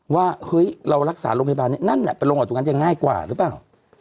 ว่าเฮ้ยเรารักษาโรงพยาบาลนี้นั่นแหละไปลงกับตรงนั้นจะง่ายกว่าหรือเปล่า